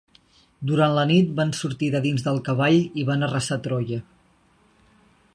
Durant la nit van sortir de dins del cavall i van arrasar Troia.